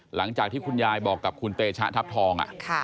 หลังจากที่คุณยายบอกกับคุณเตชะทัพทอง